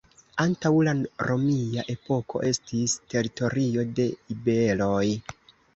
Antaŭ la romia epoko estis teritorio de iberoj.